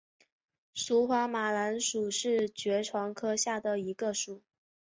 疏花马蓝属是爵床科下的一个属。